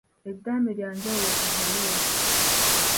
Eddaame lya njawulo ku baaluwa.